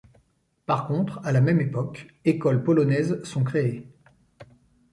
Par contre, à la même époque écoles polonaises sont créées.